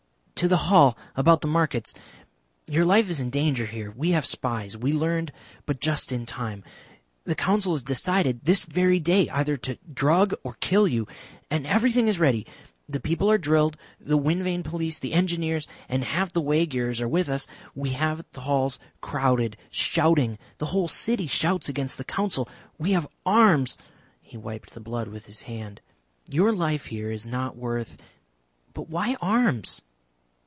"To the hall about the markets. Your life is in danger here. We have spies. We learned but just in time. The Council has decided this very day either to drug or kill you. And everything is ready. The people are drilled, the Wind Vane police, the engineers, and half the way gearers are with us. We have the halls crowded shouting. The whole city shouts against the Council. We have arms." He wiped the blood with his hand. "Your life here is not worth " "But why arms?"